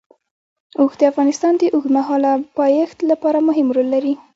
اوښ د افغانستان د اوږدمهاله پایښت لپاره مهم رول لري.